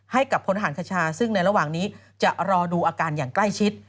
ให้กับพลทหารคชาซึ่งในระหว่างนี้จะรอดูอาการอย่างใกล้ชิด